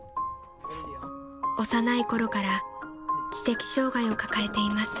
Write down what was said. ［幼いころから知的障害を抱えています］